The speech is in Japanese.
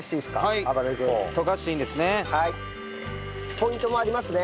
ポイントもありますね。